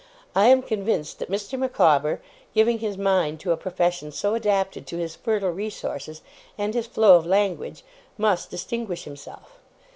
I am convinced that Mr. Micawber, giving his mind to a profession so adapted to his fertile resources, and his flow of language, must distinguish himself.